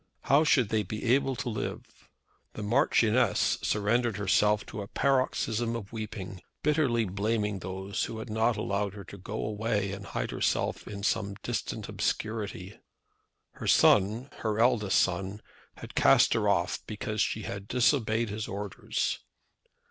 How should they be able to live? The Marchioness surrendered herself to a paroxysm of weeping, bitterly blaming those who had not allowed her to go away and hide herself in some distant obscurity. Her son, her eldest son, had cast her off because she had disobeyed his orders!